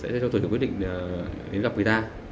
cho tổ trưởng quyết định đến gặp người ta